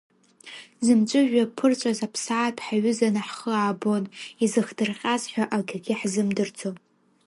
Зымҵәыжәҩа ԥырҵәаз аԥсаатә ҳаҩызаны ҳхы аабон, изыхдырҟьаз ҳәа акгьы ҳзымдырӡо.